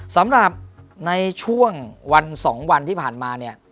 สำหรับในช่วงวัน๒วันที่ผ่านมาเนี่ย